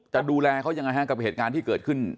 จะดูแลเขาอย่างไรนะครับกับเหตุงานที่เกิดขึ้น